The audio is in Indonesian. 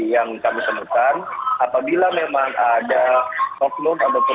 namun kami juga telah melakukan pemeriksaan terhadap spesifikasi ataupun alat bukti yang kami temukan